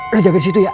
lu jaga di situ ya